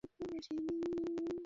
হারূন বলল, হে আমার সহোদর!